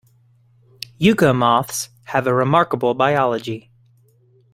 "Yucca moths" have a remarkable biology.